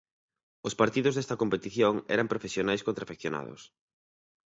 Os partidos desta competición eran profesionais contra afeccionados.